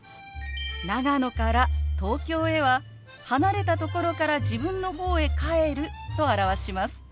長野から東京へは離れたところから自分の方へ「帰る」と表します。